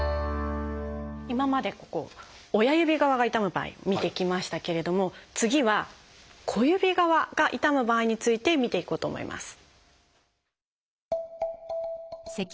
今までここ親指側が痛む場合見てきましたけれども次は小指側が痛む場合について見ていこうと思います。